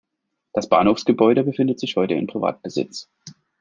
Das Bahnhofsgebäude befindet sich heute in Privatbesitz.